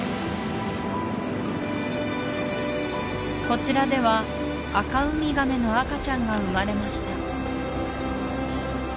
こちらではアカウミガメの赤ちゃんが生まれました